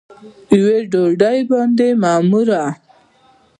یوې ډوډۍ باندې معموره